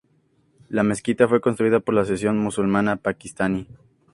La Mezquita fue construida por la Asociación Musulmana Pakistaní.